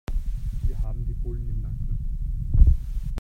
Wir haben die Bullen im Nacken.